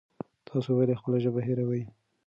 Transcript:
تاسو ولې خپله ژبه هېروئ؟